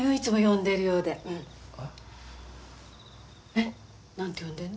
えっ何て呼んでんの？